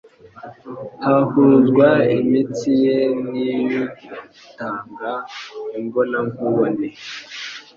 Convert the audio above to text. hahuzwa imitsi ye n'iy'uyatanga imbonankubone.